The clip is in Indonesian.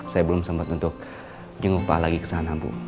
saya belum sempat untuk jenguk pak al lagi ke sana bu